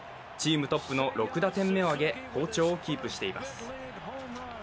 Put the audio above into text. チームトップの６打点目を上げ、好調をキープしています。